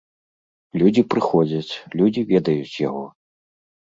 Людзі прыходзяць, людзі ведаюць яго.